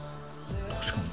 確かに。